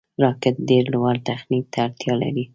راکټ ډېر لوړ تخنیک ته اړتیا لري